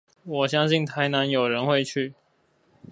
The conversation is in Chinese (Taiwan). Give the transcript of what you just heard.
我相信台南有人會去